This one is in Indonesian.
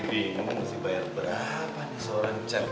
bingung masih bayar berapa nih seorang cek